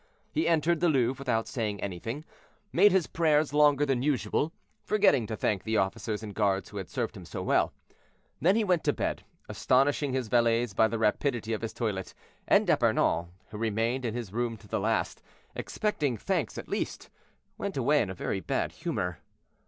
He entered the Louvre without saying anything, made his prayers longer than usual, forgetting to thank the officers and guards who had served him so well. Then he went to bed, astonishing his valets by the rapidity of his toilet; and D'Epernon, who remained in his room to the last, expecting thanks at least, went away in a very bad humor.